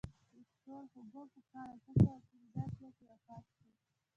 ویکتور هوګو په کال اته سوه پنځه اتیا کې وفات شو.